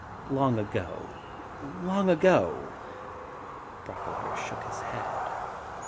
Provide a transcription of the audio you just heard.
* Long ago, long ago ' Brocklehurst shook his head.